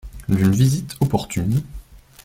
D'une visite opportune.